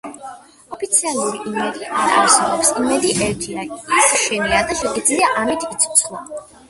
ოფიციალური იმედი არ არსებობს იმედი ერთია, ის შენია და შეგიძლია ამით იცოცხლო